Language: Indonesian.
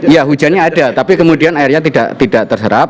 ya hujannya ada tapi kemudian airnya tidak terserap